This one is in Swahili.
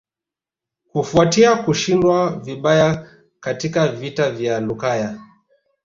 Kufuatia kushindwa vibaya katika vita vya Lukaya